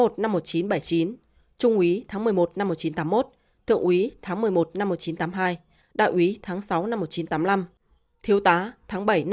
trung úy tháng một mươi một một nghìn chín trăm tám mươi một thượng úy tháng một mươi một một nghìn chín trăm tám mươi hai đại úy tháng sáu một nghìn chín trăm tám mươi năm thiếu tá tháng bảy một nghìn chín trăm tám mươi chín